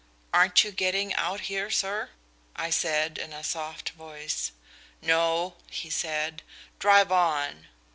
'Aren't you getting out here, sir?' I said, in a soft voice. 'No,' he said. 'Drive on.'